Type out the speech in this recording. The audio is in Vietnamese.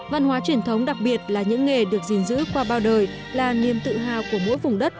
văn hóa truyền thống đặc biệt là những nghề được gìn giữ qua bao đời là niềm tự hào của mỗi vùng đất